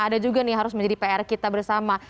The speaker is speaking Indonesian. ada juga nih harus menjadi pr kita bersama